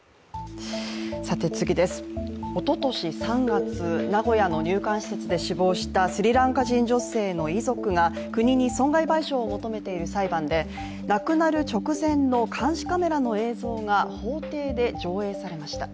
おととし３月、名古屋の入管施設で死亡したスリランカ人女性の遺族が国に損害賠償を求めている裁判で亡くなる直前の監視カメラの映像が法廷で上映されました。